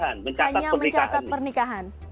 hanya mencatat pernikahan